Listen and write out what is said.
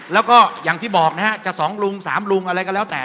แล้วก็อย่างที่บอกนะฮะจะ๒ลุง๓ลุงอะไรก็แล้วแต่